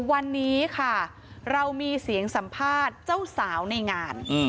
วันนี้ค่ะเรามีเสียงสัมภาษณ์เจ้าสาวในงาน